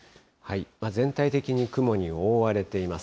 全体的に雲に覆われています。